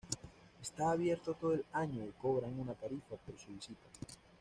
Está abierto todo el año y cobran una tarifa por su visita.